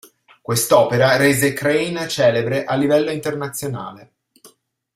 Quest'opera rese Crane celebre a livello internazionale.